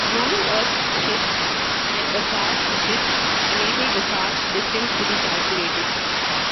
Knowing Earth's shift and a star's shift enabled the star's distance to be calculated.